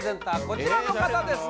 こちらの方です